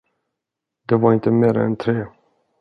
Det var inte mer än tre.